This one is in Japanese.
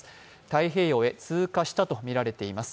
太平洋へ通過したとみられています。